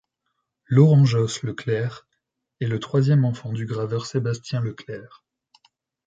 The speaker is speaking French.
Laurent-Josse Le Clerc est le troisième enfant du graveur Sébastien Le Clerc.